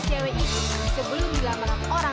cewek itu sebelum dilamaran orang